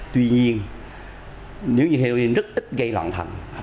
tuy nhiên nếu như heroin rất ít gây loạn thành